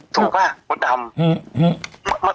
ถูกปะมดดำ